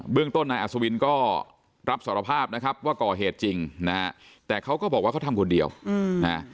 ต้นนายอัศวินก็รับสารภาพนะครับว่าก่อเหตุจริงนะฮะแต่เขาก็บอกว่าเขาทำคนเดียวนะ